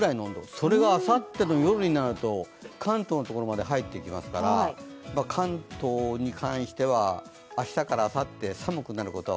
それがあさっての夜になると関東まで入ってきますから、関東に関しては、明日からあさって寒くなることは